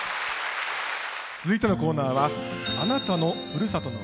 続いてのコーナーは「あなたのふるさとの唄」です。